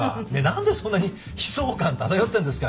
何でそんなに悲愴感漂ってんですか？